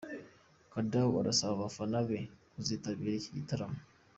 Koudou arasaba abafana be kuzitabira iki gitaramo:.